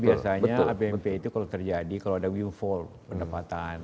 biasanya apbnp itu kalau terjadi kalau ada windfall pendapatan